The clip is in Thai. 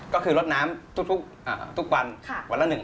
ก็คือรดน้ำทุกวันวันละ๑ครั้ง